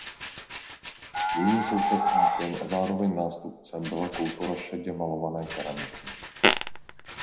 Jejím současníkem a zároveň nástupcem byla kultura šedě malované keramiky.